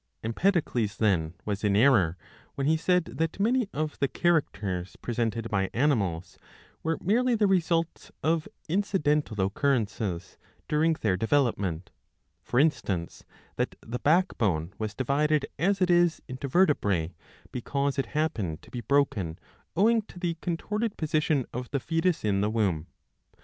Empedocles, then, was in error when he said that many of the characters pre sented by animals were merely the results of incidental occurrences during their development ; for instance, that the backbone was divided as it is into vertebrae, because it happened to be broken owing to the contorted position of the foetus in the womb.